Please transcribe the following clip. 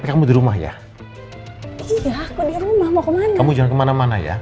kamu jangan kemana mana ya